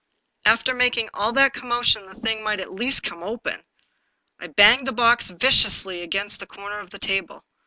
" After making all that commotion the thing might at least come open." I banged the box viciously against the corner of the table.